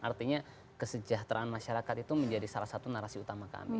artinya kesejahteraan masyarakat itu menjadi salah satu narasi utama kami